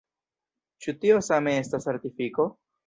Ĉu tio same estas artifiko?